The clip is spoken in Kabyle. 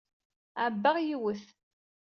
Ɛebbaɣ yiwet.